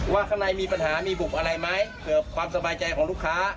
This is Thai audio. ข้างในมีปัญหามีบุคอะไรไหมเกิดความสบายใจของลูกค้า